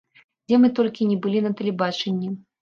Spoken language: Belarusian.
Дзе мы толькі ні былі на тэлебачанні!